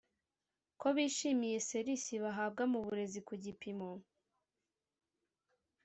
ko bishimiye ser isi bahabwa mu burezi ku gipimo